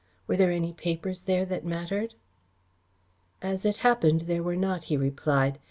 Were there any papers there that mattered?" "As it happened there were not," he replied.